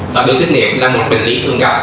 sọ đường tích niệm là một bệnh lý thường gặp